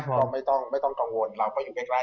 ก็ไม่ต้องกังวลเราก็อยู่ใกล้เนี่ย